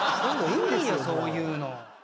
いいよそういうの。